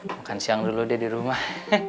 makan siang dulu dia di rumah